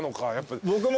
僕も。